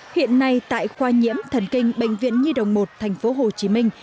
hiện nay tại khoa nhiễm thần kinh bệnh viện nhi đồng một thành phố hồ chí minh